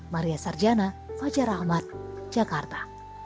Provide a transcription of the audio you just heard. maria sarjana fajar ahmad jakarta